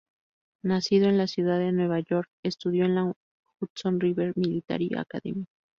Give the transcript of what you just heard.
Nacido en la ciudad de Nueva York, estudió en la Hudson River Military Academy.